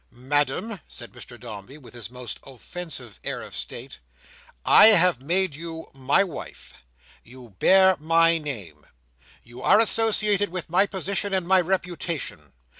"Madam," said Mr Dombey, with his most offensive air of state, "I have made you my wife. You bear my name. You are associated with my position and my reputation.